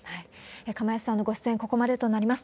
釜萢さんのご出演、ここまでとなります。